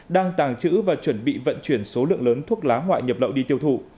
đang tàng trữ và chuẩn bị vận chuyển số lượng lớn thuốc lá ngoại nhập lậu đi tiêu thụ